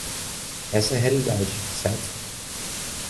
Essa é a realidade, certo?